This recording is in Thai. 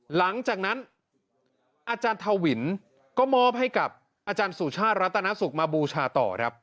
หลังจากนั้นอาจารย์ทวินก็มอบให้กับอาจารย์สุชาติรัตนสุขมาบูชาต่อครับ